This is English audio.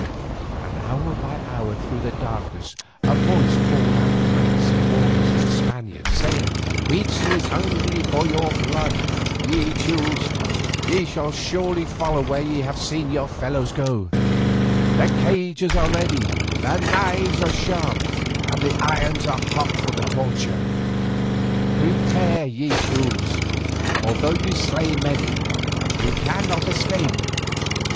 And hour by hour through the darkness, a voice called out threats and warnings to the Spaniards, saying, "Huitzel is hungry for your blood, ye Teules, ye shall surely follow where ye have seen your fellows go: the cages are ready, the knives are sharp, and the irons are hot for the torture. Prepare, ye Teules, for though ye slay many, ye cannot escape."